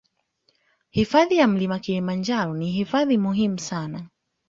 Hifadhi ya mlima kilimanjaro ni hifadhi muhimu sana